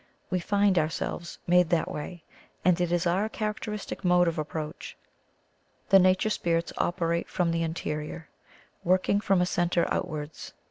We find ourselves made that way, and it is our characteristic mode of approach. The nature spirits operate from the interior, working from a centre out wards.